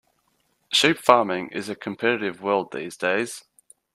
Sheep farming is a competitive world these days.